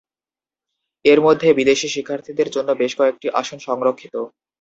এর মধ্যে বিদেশী শিক্ষার্থীদের জন্য বেশ কয়েকটি আসন সংরক্ষিত।